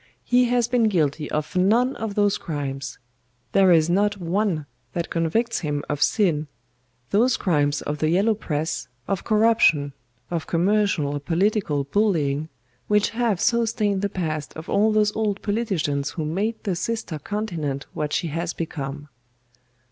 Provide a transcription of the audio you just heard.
He has been guilty of none of those crimes there is not one that convicts him of sin those crimes of the Yellow Press, of corruption, of commercial or political bullying which have so stained the past of all those old politicians who made the sister continent what she has become.